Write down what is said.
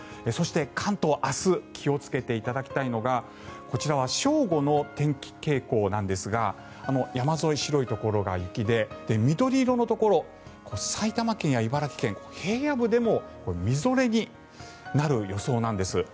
そして関東、明日は気をつけていただきたいのがこちらは正午の天気傾向なんですが山沿い、白いところが雪で緑色のところ埼玉県や茨城県、平野部でもみぞれになる予想なんです。